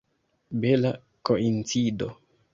Bela koincido!